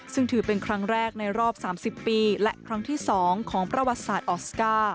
ซึ่งถือเป็นครั้งแรกในรอบ๓๐ปีและครั้งที่๒ของประวัติศาสตร์ออสการ์